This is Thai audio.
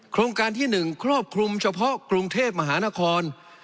โครงการที่๑ครอบคลุมเฉพาะกรุงเทพมหานคร